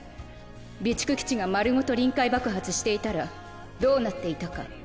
備蓄基地が丸ごと臨界爆発していたらどうなっていたか。